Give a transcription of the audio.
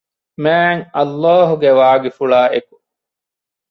މާތް ﷲ ގެ ވާގިފުޅާއި އެކު